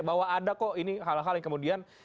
bahwa ada kok ini hal hal yang kemudian